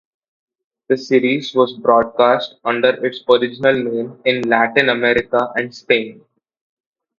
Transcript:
The series was broadcast under its original name in Latin America and Spain.